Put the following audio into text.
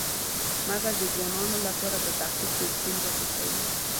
مګر د ځوانانو لپاره په تحقیق کې ستونزه پېښوي.